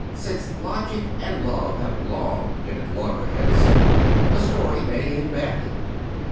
Since logic and love have long been at loggerheads, the story may end badly.